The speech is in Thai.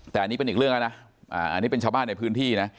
แต่อันนี้เป็นอีกเรื่องแล้วนะอันนี้เป็นชาวบ้านในพื้นที่นะ